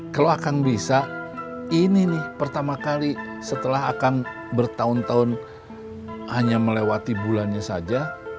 kalau akan bisa ini nih pertama kali setelah akan bertahun tahun hanya melewati bulannya saja